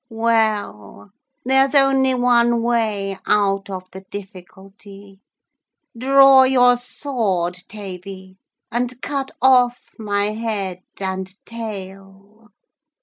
Well, there's only one way out of the difficulty. Draw your sword, Tavy, and cut off my head and tail.'